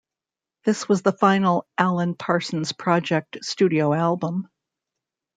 This was the final Alan Parsons Project studio album.